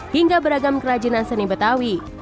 hingga beragam kerajinan seni betawi